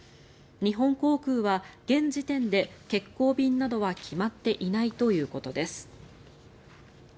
日本航空は現時点で欠航便などは決まっていないということです。